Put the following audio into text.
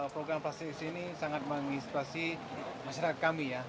program plastic exchange ini sangat menginspirasi masyarakat kami ya